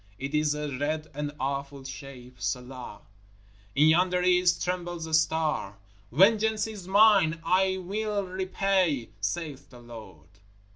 It is a red and awful shape. Selah! In yonder East trembles a star. _Vengeance is mine; I mill repay, saith the Lord!